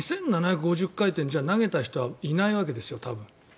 ２７５０回転、投げた人はいないわけですよ、多分。